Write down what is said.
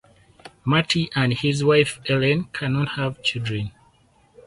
Marty and his wife Elena cannot have children.